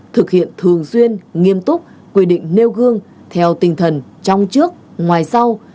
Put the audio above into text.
thực hiện thường xuyên nghiêm túc quy định nêu gương theo tinh thần trong trước ngoài sau